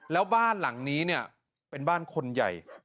แล้วบ้านหลังนี้เนี่ยเป็นบ้านคนใหญ่